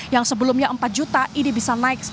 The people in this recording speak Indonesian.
yang sebelumnya empat juta ini bisa naik